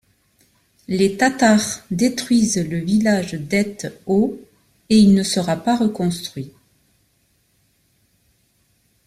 Les Tatars détruisent le village d'Ete au et il ne sera pas reconstruit.